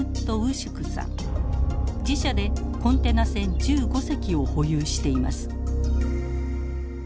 自社でコンテナ船１５隻を保有しています。